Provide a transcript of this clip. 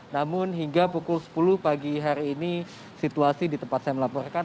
namun hingga pukul sepuluh pagi hari ini situasi di tempat saya melaporkan